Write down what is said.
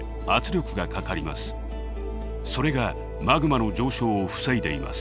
それがマグマの上昇を防いでいます。